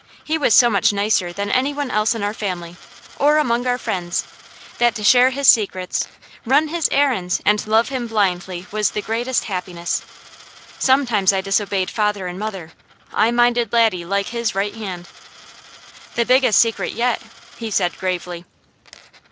He was so much nicer than any one else in our family, or among our friends, that to share his secrets, run his errands, and love him blindly was the greatest happiness. Sometimes I disobeyed father and mother; I minded Laddie like his right hand. "The biggest secret yet," he said gravely.